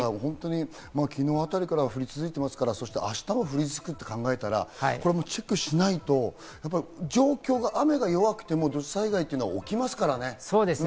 昨日あたりから降り続いてますから、そして明日も降り続くと考えたらチェックしないと、状況が雨が弱くても土砂災害は起きますからね。